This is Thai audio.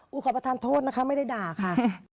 ขอประทานโทษนะคะไม่ได้ด่าค่ะ